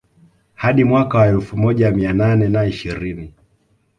Hadi mwaka wa elfu moja mia nane na ishirini